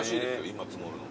今積もるの。